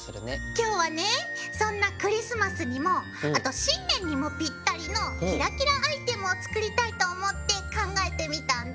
きょうはねそんなクリスマスにもあと新年にもピッタリのキラキラアイテムを作りたいと思って考えてみたんだ。